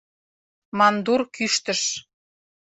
— мандур кӱштыш.